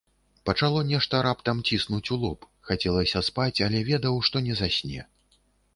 Пачало нешта раптам ціснуць у лоб, хацелася спаць, але ведаў, што не засне.